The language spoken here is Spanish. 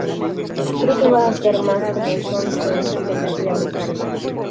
Creo que va a ser más como 'Swan Songs" que "tragedia americana".